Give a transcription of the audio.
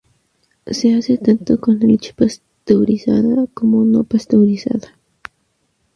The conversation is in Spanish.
Se hace tanto con leche pasteurizada como no pasteurizada.